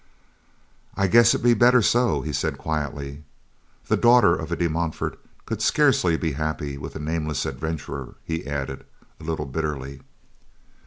"I guess it be better so," he said quietly. "The daughter of a De Montfort could scarcely be happy with a nameless adventurer," he added, a little bitterly.